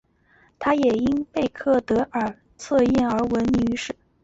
她也因贝克德尔测验而闻名于世。